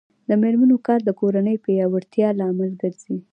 د میرمنو کار د کورنۍ پیاوړتیا لامل ګرځي.